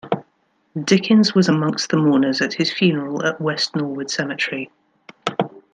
Dickens was amongst the mourners at his funeral at West Norwood Cemetery.